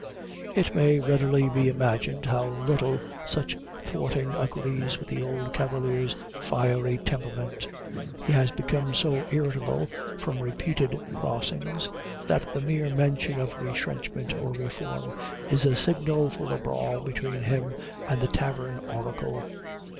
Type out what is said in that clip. It may readily be imagined how little such thwarting agrees with the old cavalier's fiery temperament. He has become so irritable, from repeated crossings, that the mere mention of retrenchment or reform is a signal for a brawl between him and the tavern oracle.